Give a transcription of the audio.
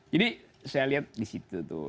jadi saya lihat di situ tuh